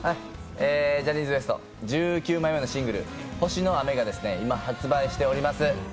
ジャニーズＷＥＳＴ１９枚目のシングル、「星の雨」が今、発売しております。